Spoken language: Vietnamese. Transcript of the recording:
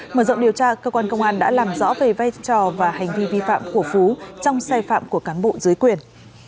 mở rộng điều tra cơ quan công an đã làm rõ về vai trò và hành vi vi phạm của phú trong sai phạm của cán bộ dưới quyền